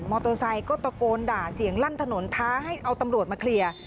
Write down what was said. โตไซค์ก็ตะโกนด่าเสียงลั่นถนนท้าให้เอาตำรวจมาเคลียร์